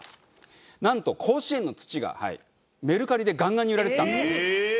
なんと甲子園の土がはいメルカリでガンガンに売られてたんです。